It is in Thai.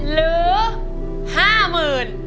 หรือ๕หมื่น